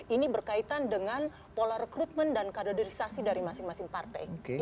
ini berkaitan dengan pola rekrutmen dan kaderisasi dari masing masing partai